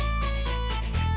aku mau ke rumah